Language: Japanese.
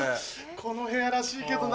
この部屋らしいけどな。